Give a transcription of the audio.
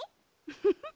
フフフ。